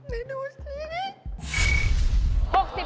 ให้นดูสิ